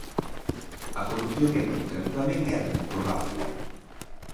A corrupción ética tamén é reprobábel.